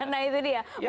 nah itu dia